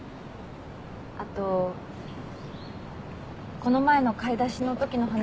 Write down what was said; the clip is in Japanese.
あとこの前の買い出しのときの話。